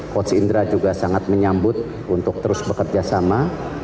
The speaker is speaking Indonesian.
coach indra juga sangat menyambut untuk terus bekerjasama